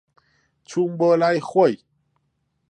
چووم بۆ لای خۆی.